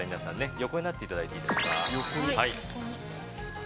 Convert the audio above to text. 横になっていただいていいですか。